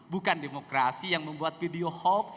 bukan demokrasi yang membuat video hoax